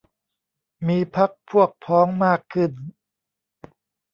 มีพรรคพวกพ้องมากขึ้น